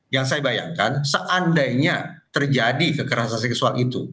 yang saya bayangkan seandainya terjadi kekerasan seksual itu